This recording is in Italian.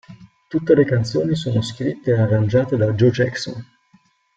Tutte le canzoni sono scritte e arrangiate da Joe Jackson.